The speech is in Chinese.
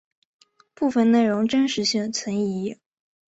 部分内容真实性存疑。